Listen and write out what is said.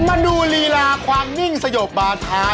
มาดูลีลาความนิ่งสยบมาท้าย